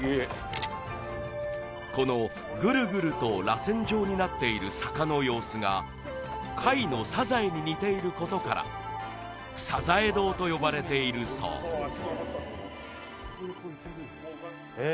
このグルグルとらせん状になっている坂の様子が貝のさざえに似ていることからさざえ堂とよばれているそうへえ